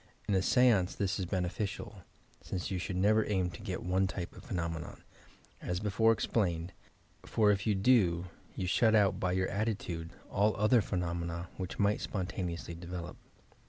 In a seance this is beneficial, since you should never aim to get one type of phenomena, as before ex PHYSICAL PHENOMENA plained, for if you do you shut out by your attitude all other phenomena which might spontaneously develop.